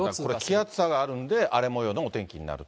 気圧差があるんで、荒れもようのお天気になると。